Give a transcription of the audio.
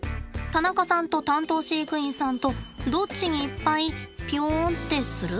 田中さんと担当飼育員さんとどっちにいっぱいぴょんってする？